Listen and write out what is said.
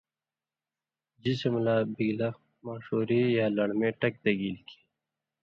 جسم لا بِگلہ ماݜُوری یا لڑمے ٹک دگیلیۡ کھیں